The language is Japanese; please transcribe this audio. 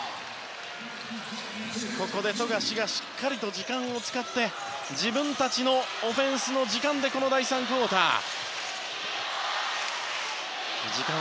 富樫がしっかり時間を使って自分たちのオフェンスの時間でこの第３クオーターを。